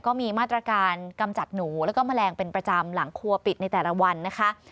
ก็มีมาตรการกำจัดหนูแล้วก็แมลงเป็นประจำหลังครัวปิดในแต่ละวันนะคะ